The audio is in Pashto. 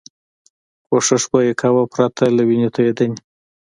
کوښښ به یې کاوه پرته له وینې توېدنې.